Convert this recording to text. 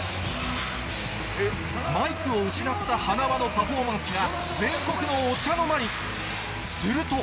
マイクを失ったはなわのパフォーマンスが全国のお茶の間にすると